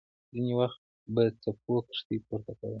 ځینې وخت به څپو کښتۍ پورته کوله.